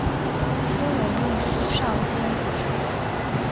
初为秘书少监。